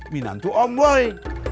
minantu om boy